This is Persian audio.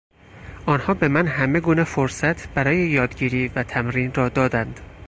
آنها به من همه گونه فرصت برای یادگیری و تمرین را دادند.